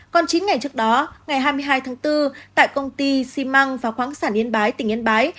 còn chín ngày trước đó ngày hai mươi hai bốn tại công ty ximang và khoáng sản yên bái tỉnh yên bái